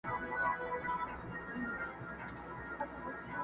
په کورونو یې کړي ګډي د غم ساندي!!